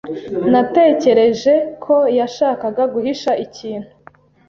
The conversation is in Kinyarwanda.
Natekereje ko yashakaga guhisha ikintu.